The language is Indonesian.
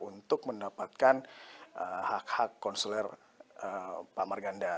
untuk mendapatkan hak hak konseler pak marganda